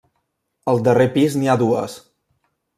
Al darrer pis n'hi ha dues.